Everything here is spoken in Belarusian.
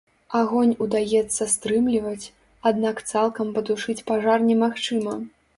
Агонь удаецца стрымліваць, аднак цалкам патушыць пажар немагчыма.